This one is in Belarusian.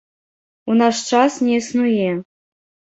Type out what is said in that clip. У наш час не існуе.